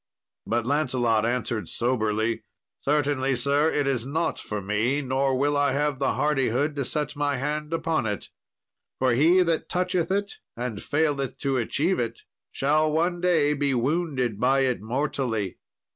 But Lancelot answered soberly, "Certainly, sir, it is not for me; nor will I have the hardihood to set my hand upon it. For he that toucheth it and faileth to achieve it shall one day be wounded by it mortally.